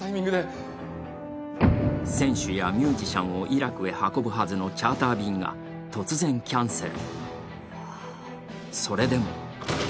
選手やミュージシャンをイラクに運ぶためのチャーター便が突然キャンセル。